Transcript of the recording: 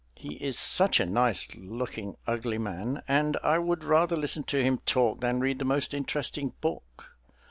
He is such a nice looking ugly man, and I would rather listen to him talk than read the most interesting book....